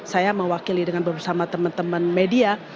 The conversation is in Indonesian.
saya mewakili dengan bersama teman teman media